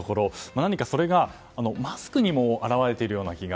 何かそれがマスクにも表れているような気が。